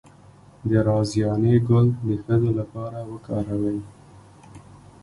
د رازیانې ګل د ښځو لپاره وکاروئ